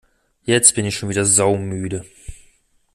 Jetzt bin ich schon wieder saumüde!